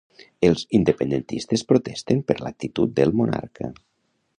Els independentistes protesten per l'actitud del monarca